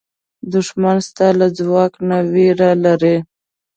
دښمن ستا له ځواک نه وېره لري